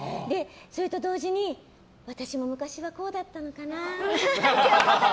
それと同時に私も昔はこうだったのかなって。